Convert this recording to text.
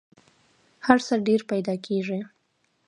هر څه ډېر پیدا کېږي .